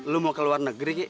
lu mau ke luar negeri